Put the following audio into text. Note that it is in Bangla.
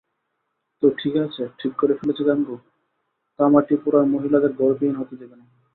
তো, ঠিক আছে, ঠিক করে ফেলেছে গাঙু, কামাঠিপুরার মহিলাদের ঘরবিহীন হতে দিবো না।